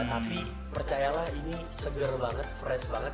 tapi percayalah ini seger banget fresh banget